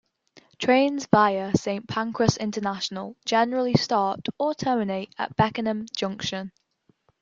Trains via Saint Pancras International generally start or terminate at Beckenham Junction.